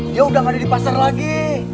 dia udah gak ada di pasar lagi